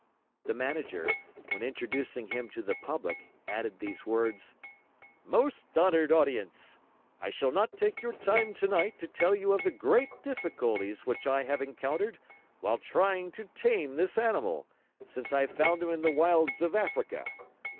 The Manager, when introducing him to the public, added these words: "Most honored audience! I shall not take your time tonight to tell you of the great difficulties which I have encountered while trying to tame this animal, since I found him in the wilds of Africa.